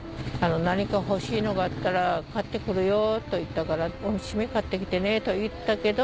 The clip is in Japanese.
「何か欲しいのがあったら買ってくるよ」と言ったから「おしめ買ってきてね」と言ったけど。